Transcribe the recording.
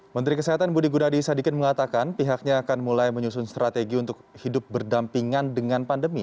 menteri kesehatan budi gunadi sadikin mengatakan pihaknya akan mulai menyusun strategi untuk hidup berdampingan dengan pandemi